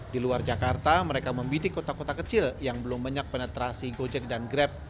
di luar jakarta mereka membidik kota kota kecil yang belum banyak penetrasi gojek dan grab